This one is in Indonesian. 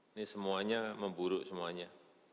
ini semuanya memburuk semuanya